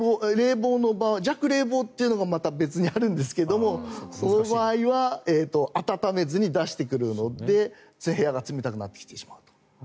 弱冷房っていうのがまた別にあるんですがその場合は暖めずに出してくるので部屋が冷たくなってきてしまう。